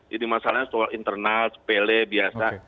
jadi masalahnya soal internal sepele biasa